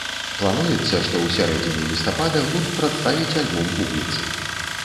Плануецца, што ў сярэдзіне лістапада гурт прадставіць альбом публіцы.